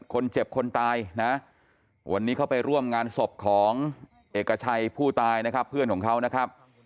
คนเจ็บคนตายนะวันนี้เขาไปร่วมงานศพของเอกชัยผู้ตายนะครับ